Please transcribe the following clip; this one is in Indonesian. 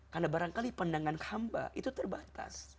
karena barangkali pandangan hamba itu terbatas